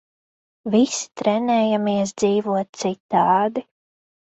Visi trenējamies dzīvot citādi.